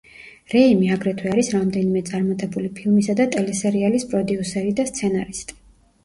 რეიმი, აგრთვე არის რამდენიმე წარმატებული ფილმისა და ტელესერიალის პროდიუსერი და სცენარისტი.